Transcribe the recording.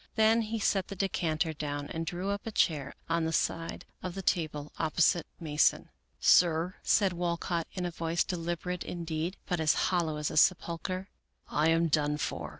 Then he set the decanter down and drew up a chair on the side of the table opposite Mason. " Sir," said Walcott, in a voice deliberate, indeed, but as hollow as a sepulcher, " I am done for.